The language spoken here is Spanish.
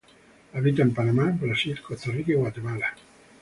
Habita en Panamá, Brasil, Costa Rica y Guatemala.